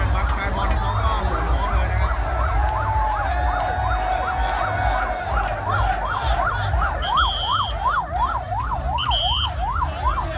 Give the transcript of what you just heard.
เป็นรถบัตรที่แล้วนะครับ